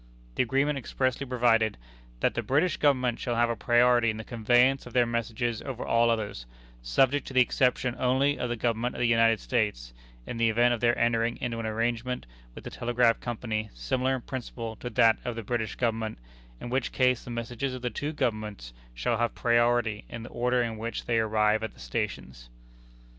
The agreement expressly provided "that the British Government shall have a priority in the conveyance of their messages over all others, subject to the exception only of the Government of the United States, in the event of their entering into an arrangement with the Telegraph Company similar in principle to that of the British Government, in which case the messages of the two governments shall have priority in the order in which they arrive at the stations."